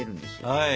はい。